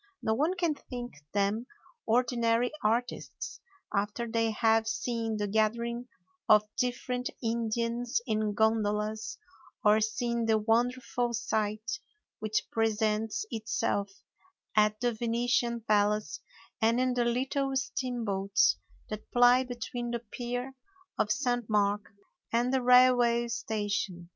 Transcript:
No one can think them ordinary artistes after they have seen the gathering of different Indians in gondolas, or seen the wonderful sight which presents itself at the Venetian palace and in the little steamboats that ply between the pier of St. Mark and the railway station.